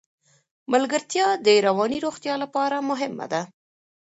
ملګرتیا د رواني روغتیا لپاره مهمه ده.